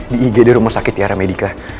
di igd rumah sakit tiara medica